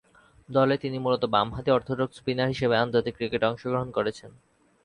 দলে তিনি মূলতঃ বামহাতি অর্থোডক্স স্পিনার হিসেবে আন্তর্জাতিক ক্রিকেটে অংশগ্রহণ করেছেন।